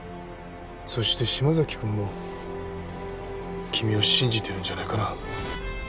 そして島崎くんも君を信じてるんじゃないかな？